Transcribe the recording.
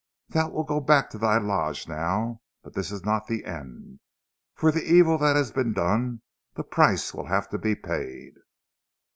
"Thou wilt go back to thy lodge now, but this is not the end. For the evil that hath been done the price will have to be paid.